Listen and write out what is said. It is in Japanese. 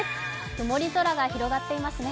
曇り空が広がっていますね。